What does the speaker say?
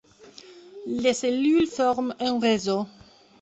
Les cellules forment un réseau.